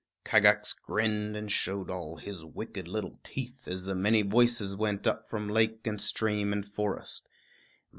Kagax grinned and showed all his wicked little teeth as the many voices went up from lake and stream and forest.